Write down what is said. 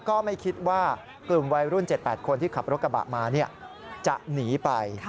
ก็ไม่คิดว่ากลุ่มวัยรุ่น๗๘คนที่ขับรถกระบะมาจะหนีไป